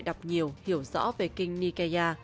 đọc nhiều hiểu rõ về kinh nikkeia